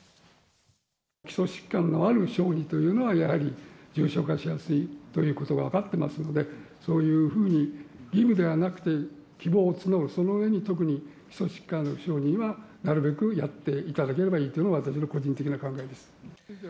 基礎疾患のある小児というのは、やはり重症化しやすいということは分かってますので、そういうふうに義務ではなくて、希望を募る、その上で特に基礎疾患の小児にはなるべくやっていただければいいというのが、私の個人的な考えです。